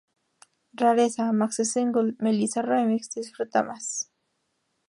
Rareza: Maxi-single: Melissa Re-mix—""Disfruta Más"".